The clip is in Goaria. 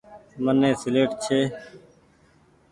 مني سيليٽ ڇي۔